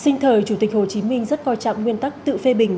sinh thời chủ tịch hồ chí minh rất coi trọng nguyên tắc tự phê bình